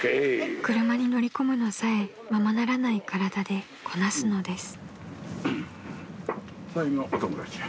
［車に乗り込むのさえままならない体でこなすのです］